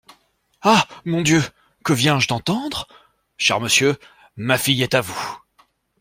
Ah ! mon Dieu ! que viens-je d’entendre ?« Cher monsieur, ma fille est à vous !